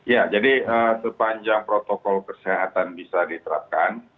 ya jadi sepanjang protokol kesehatan bisa diterapkan